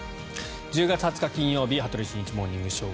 １０月２０日、金曜日「羽鳥慎一モーニングショー」。